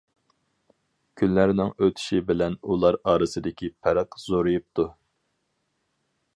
كۈنلەرنىڭ ئۆتۈشى بىلەن ئۇلار ئارىسىدىكى پەرق زورىيىپتۇ.